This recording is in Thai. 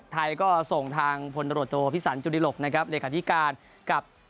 ไทยก็ส่งทางพลโรโตภิสันจุฬิหลกนะครับในการอธิการกับ